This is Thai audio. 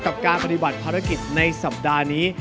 กับการปฏิบัติภารกิจในสัปดาห์นี้